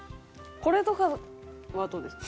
これとかはどうですか？